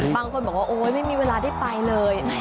บางคนบอกว่าโอ๊ยไม่มีเวลาได้ไปเลย